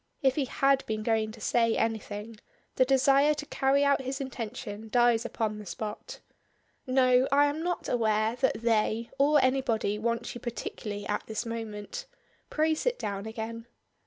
If he had been going to say anything, the desire to carry out his intention dies upon the spot. "No, I am not aware that 'they' or anybody wants you particularly at this moment. Pray sit down again."